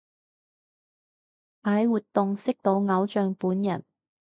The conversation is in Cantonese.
喺活動識到偶像本人